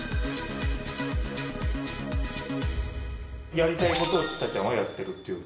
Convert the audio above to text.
やりたいことをＣＨＩＴＡＡちゃんはやってるっていう？